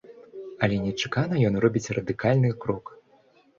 Але нечакана ён робіць радыкальны крок.